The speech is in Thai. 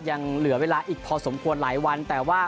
ยังเหลือเวลาอีกพอสมควรหลายวัน